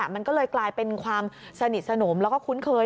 มันก็เลยกลายเป็นความสนิทสนมแล้วก็คุ้นเคย